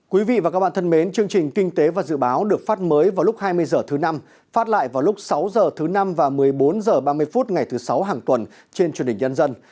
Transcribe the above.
quý vị và các bạn thân mến chương trình kinh tế và dự báo được phát mới vào lúc hai mươi h thứ năm phát lại vào lúc sáu h thứ năm và một mươi bốn h ba mươi phút ngày thứ sáu hàng tuần trên truyền hình nhân dân